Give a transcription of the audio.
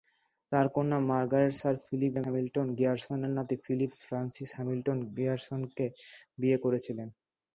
তার কন্যা Margaret sir Philip James হ্যামিল্টন-গিয়ারসনের নাতি ফিলিপ ফ্রান্সিস হ্যামিল্টন-গ্রিয়ারসনকে বিয়ে করেছিলেন।